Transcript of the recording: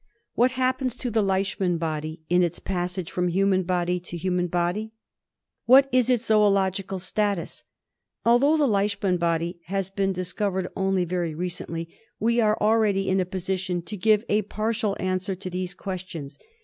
What happens to the Leishman body in its passage .. from human body to human body ? What is its zoological • status? Although the Leishman body has been dis covered only very recently we are already in a position to give a partial answer to these questions.